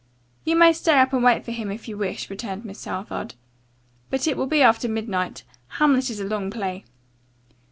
"You may stay up and wait for him if you wish," returned Miss Southard, "but it will be after midnight. 'Hamlet' is a long play."